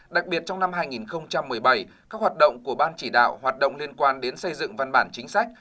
đặc biệt trong năm hai nghìn một mươi bảy các hoạt động của ban chỉ đạo hoạt động liên quan đến xây dựng văn bản chính sách